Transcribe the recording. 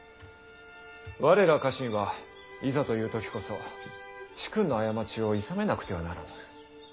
我ら家臣はいざという時こそ主君の過ちをいさめなくてはならぬ。